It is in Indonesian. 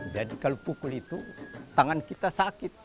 jadi kalau pukul itu tangan kita sakit